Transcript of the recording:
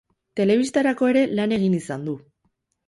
Telebistarako ere lan egin izan du.